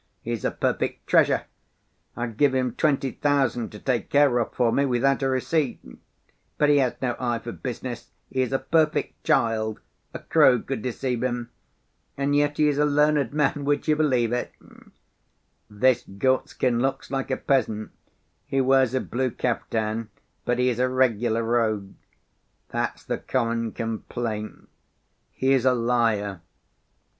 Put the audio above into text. He is a perfect treasure, I'd give him twenty thousand to take care of for me without a receipt; but he has no eye for business, he is a perfect child, a crow could deceive him. And yet he is a learned man, would you believe it? This Gorstkin looks like a peasant, he wears a blue kaftan, but he is a regular rogue. That's the common complaint. He is a liar.